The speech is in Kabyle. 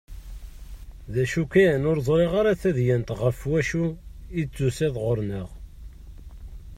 D acu kan ur ẓriɣ ara tadyant ɣef wacu i d-tusiḍ ɣur-nneɣ?